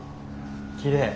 きれい。